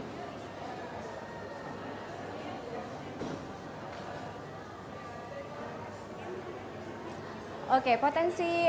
dani tentunya ada target dari penyelenggara seperti apa targetnya dan daerah mana saja yang dipromosikan